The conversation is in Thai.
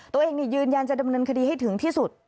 ตัวเองยืนยันจะดำเนินคดีให้ถึงที่สุด